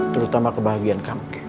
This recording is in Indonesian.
terutama kebahagiaan kamu